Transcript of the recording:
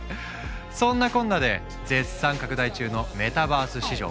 そんなこんなで絶賛拡大中のメタバース市場。